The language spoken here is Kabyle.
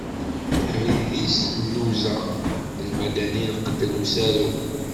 Abrid-is Mluza, Lmadani lqedd n usaru.